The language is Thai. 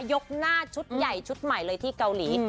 ยกหน้าชุดใหญ่ชุดใหม่เลยที่เกาหลี